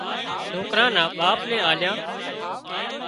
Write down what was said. سوڪرا نا ٻاپ نين آليا